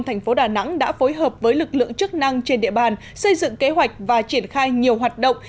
thành phố đà nẵng đã phối hợp với lực lượng chức năng trên địa bàn xây dựng kế hoạch và triển khai nhiều hoạt động